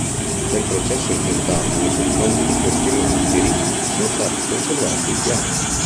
Del processo intentato nei confronti di questi martiri sono stati conservati gli atti.